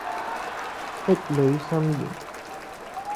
壁壘森嚴